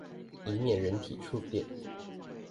以免人體觸電